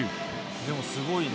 でもすごいね。